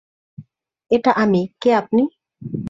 এটা আমি - কে আপনি?